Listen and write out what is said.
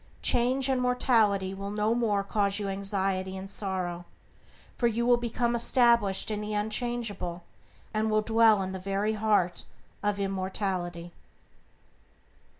Change and mortality will no more cause you anxiety and sorrow, for you will become established in the unchangeable, and will dwell in the very heart of immortality.